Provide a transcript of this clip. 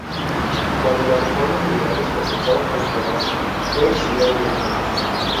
Cuando las reformas liberales comenzaron a imponerse, fue exiliado del país.